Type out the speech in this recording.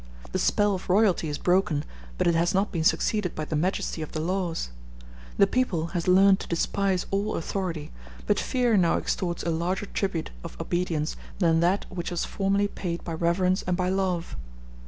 The spell of royalty is broken, but it has not been succeeded by the majesty of the laws; the people has learned to despise all authority, but fear now extorts a larger tribute of obedience than that which was formerly paid by reverence and by love.